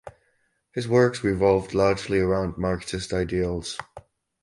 His works revolved largely around Marxist ideals.